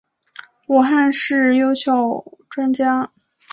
武汉市优秀专家。